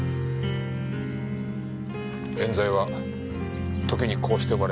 冤罪は時にこうして生まれます。